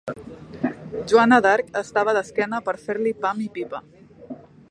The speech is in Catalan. Joana d'Arc estava d'esquena per fer-li pam-i-pipa.